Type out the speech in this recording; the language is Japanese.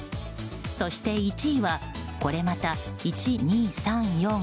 そして、１位はこれまた、１２３４５６。